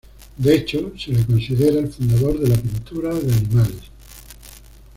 De hecho, se le considera el fundador de la pintura de animales.